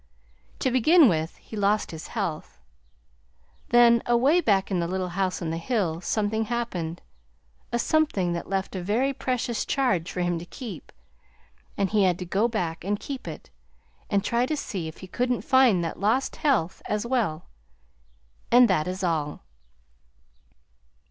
"No. To begin with, he lost his health. Then, away back in the little house on the hill something happened a something that left a very precious charge for him to keep; and he had to go back and keep it, and to try to see if he couldn't find that lost health, as well. And that is all."